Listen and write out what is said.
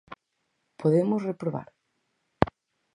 Podemos reprobar.